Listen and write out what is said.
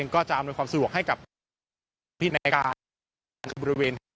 ก็จะมีอำนวยความสะดวกให้กับที่ในการ